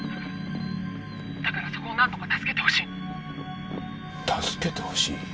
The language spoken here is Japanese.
「だからそこをなんとか助けてほしい」助けてほしい？